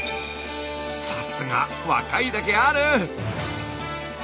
さすが若いだけある！